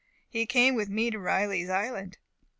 He came with me to Riley's Island."